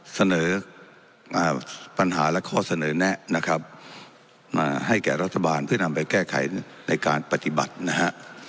เสนอปัญหาและข้อเสนอแนะนะครับมาให้แก่รัฐบาลเพื่อนำไปแก้ไขในการปฏิบัตินะฮะ